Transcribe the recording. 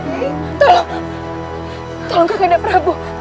tidak mungkin terkena prabu